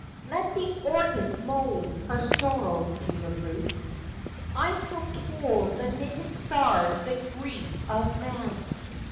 Let the organ moan her sorrow to the roof I have told the naked stars the grief of man.